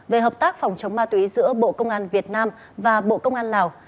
về hợp tác phòng chống ma túy giữa bộ công an việt nam và bộ công an lào